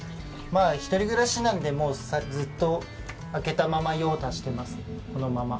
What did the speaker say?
１人暮らしなんでずっと開けたまま用を足してます。